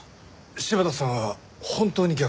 柴田さんは本当に虐待を？